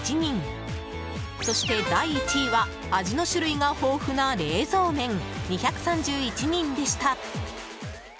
そして第１位は味の種類が豊富な冷蔵麺２３１人でした。